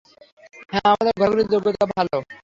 হ্যাঁ, আমাদের ঘোরাঘুরির যোগ্যতা ভালো।